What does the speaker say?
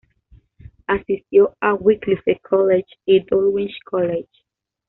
Asistió a Wycliffe College y a Dulwich College.